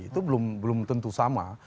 itu belum tentu sama